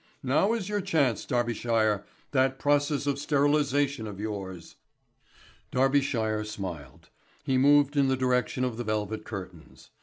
Now is your chance, Darbyshire that process of sterilisation of yours." Darbyshire smiled. He moved in the direction of the velvet curtains.